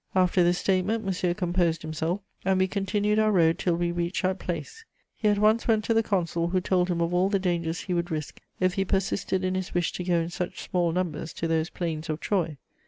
After this statement, Monsieur composed himself, and we continued our road till we reached that place. He at once went to the consul, who told him of all the dangers he would risk if he persisted in his wish to go in such small numbers to those plains of Troy.